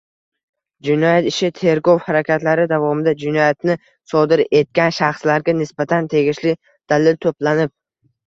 Jinoyat ishi tergov harakatlari davomida jinoyatni sodir etgan shaxslarga nisbatan tegishli dalil to‘planib